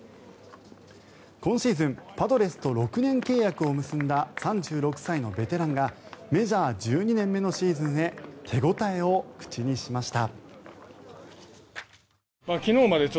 今シーズンパドレスと６年契約を結んだ３６歳のベテランがメジャー１２年目のシーズンへ手応えを口にしました。